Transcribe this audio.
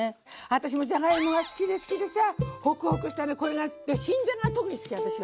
私もじゃがいもが好きで好きでさぁホクホクして新じゃがが特に好き私は。